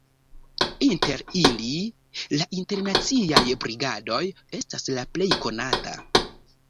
Inter ili la Internaciaj Brigadoj estas la plej konata.